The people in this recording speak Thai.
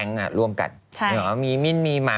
ต้องเงียบดีนะ